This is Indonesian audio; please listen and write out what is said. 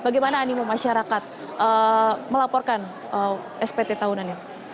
bagaimana animo masyarakat melaporkan spt tahunannya